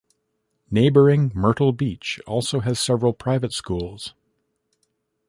Neighboring Myrtle Beach also has several private schools.